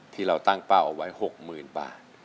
ที่เราตั้งเป้าเอาไว้๖๐๐๐บาท